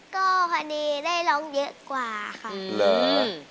ก็พอดีได้ร้องเยอะกว่าค่ะ